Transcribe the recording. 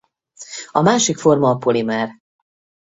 A másik forma a polimer.